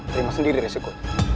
terima sendiri resiko